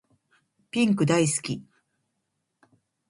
ピンク大好き